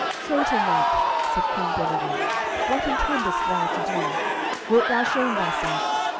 "Traitor knight," said Queen Guenever, "what intendest thou to do? Wilt thou shame thyself?